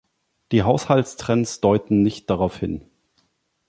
Die Haushaltstrends deuten nicht darauf hin.